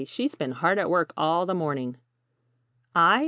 She's been hard at work all the morning." "I?